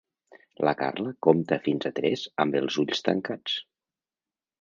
La Carla compta fins a tres amb els ulls tancats.